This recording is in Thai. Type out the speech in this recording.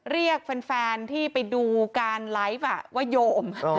เรียกแฟนที่ไปดูการไลฟ์ว่าโยม